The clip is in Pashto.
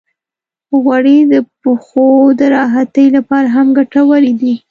غوړې د پښو د راحتۍ لپاره هم ګټورې دي.